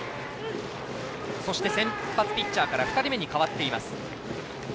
そして先発ピッチャーから２人目に代わっています。